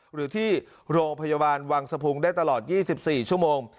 หรือที่โรงพยาบาลวังสะพุงได้ตลอด๒๔ชั่วโมง